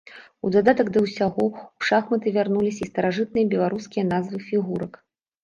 У дадатак да ўсяго, у шахматы вярнуліся і старажытныя беларускія назвы фігурак.